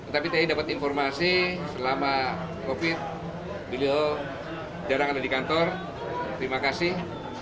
tapi tadi dapat informasi selama covid beliau jarang ada di kantor terima kasih